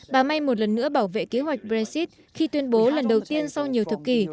bà may một lần nữa bảo vệ kế hoạch brexit khi tuyên bố lần đầu tiên sau nhiều thập kỷ